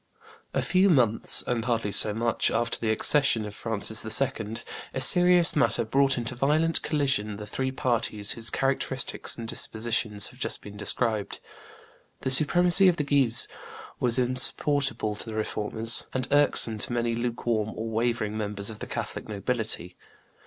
A few months, and hardly so much, after the accession of Francis II., a serious matter brought into violent collision the three parties whose characteristics and dispositions have just been described. The supremacy of the Guises was insupportable to the Reformers, and irksome to many lukewarm or wavering members of the Catholic nobility.